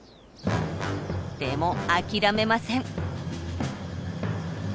でも諦めません。